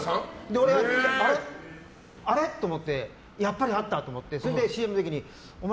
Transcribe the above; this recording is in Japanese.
俺は、あれ？と思ってやっぱり会ったと思ってＣＭの時にお前